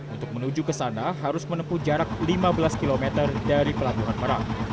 untuk menuju ke sana harus menempuh jarak lima belas km dari pelabuhan merak